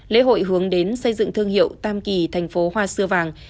lễ hội hướng đến xây dựng thương hiệu tam kỳ thành phố hoa xưa vàng